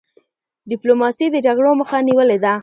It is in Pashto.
ډيپلوماسی د جګړو مخه نیولې ده.